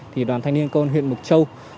thì đoàn thanh niên công an huyện mộc châu